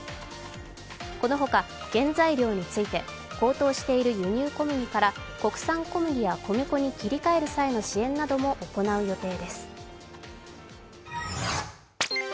このほか原材料について高騰している輸入小麦から国産小麦や米粉に切り替える際の支援なども行う予定です。